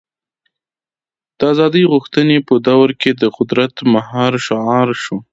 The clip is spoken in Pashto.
د ازادۍ غوښتنې په دور کې د قدرت مهار شعار شو.